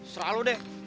serah lu deh